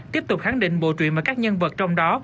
tiếp tục khẳng định bộ truyện mà các nhân vật trong đó